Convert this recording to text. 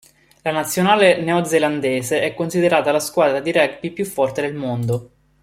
La nazionale neozelandese è considerata la squadra di rugby più forte del mondo.